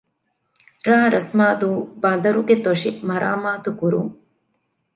ރ.ރަސްމާދޫ ބަނދަރުގެ ތޮށި މަރާމާތު ކުރުން